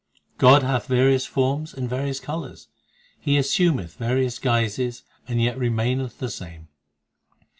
4 God hath various forms and various colours ; He assumeth various guises, and yet remaineth the same.